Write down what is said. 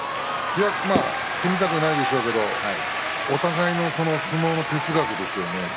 組みたくないでしょうけれど、お互いの相撲哲学ですよ。